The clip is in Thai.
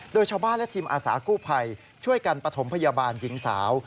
โดยชาวบ้านและทีมอาสากู้ภัยช่วยกันปฐมพยาบาลหญิงสาว